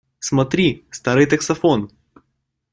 Смотри, старый таксофон!